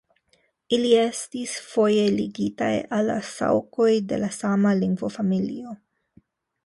Ili estis foje ligitaj al la Saŭkoj de la sama lingvofamilio.